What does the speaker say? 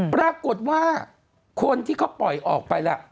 ปรากฏว่าคนที่เขาปล่อยออกไปล่ะ